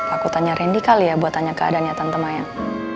aku tanya randy kali ya buat tanya keadaannya tante mayang